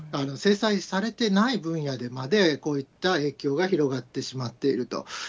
制裁されてない分野でまでこういった影響が広がってしまっていると。